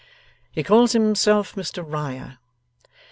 'He calls himself Mr Riah.